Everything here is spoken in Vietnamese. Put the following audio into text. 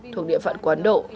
thuộc địa phận của ấn độ